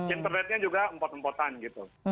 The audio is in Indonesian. internetnya juga empot empotan gitu